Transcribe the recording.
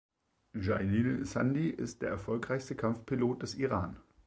Jalil Zandi ist der erfolgreichste Kampfpilot des Iran.